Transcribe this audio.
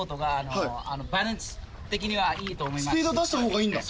スピード出した方がいいんだ。